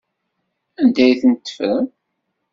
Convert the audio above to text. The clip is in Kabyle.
Anda ay tent-teffrem?